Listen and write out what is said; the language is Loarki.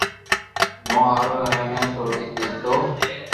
مون ھارو اي نو سوڙي دو تو